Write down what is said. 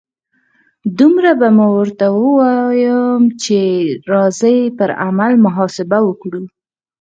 دومره به ورته ووایم چې راځئ پر عمل محاسبه وکړو.